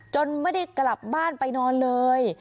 ไม่ได้กลับบ้านไปนอนเลย